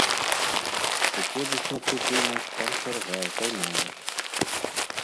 Прыходзіш на прыпынак, там чарга, займаеш.